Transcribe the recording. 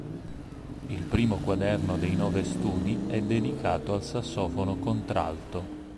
Il primo quaderno dei nove studi è dedicato al sassofono contralto.